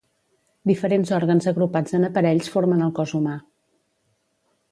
Diferents òrgans agrupats en aparells formen el cos humà.